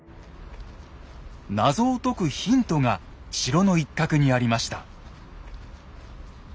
謎を解くヒントが城の一角にありました。